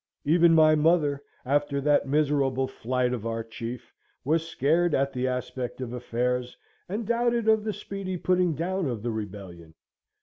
Even my mother, after that miserable flight of our chief, was scared at the aspect of affairs, and doubted of the speedy putting down of the rebellion.